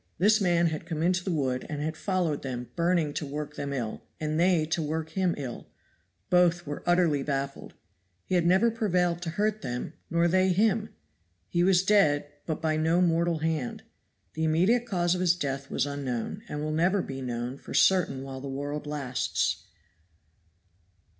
This man had come into the wood and had followed them burning to work them ill, and they to work him ill. Both were utterly baffled. He had never prevailed to hurt them, nor they him. He was dead, but by no mortal hand. The immediate cause of his death was unknown, and will never be known for certain while the world lasts.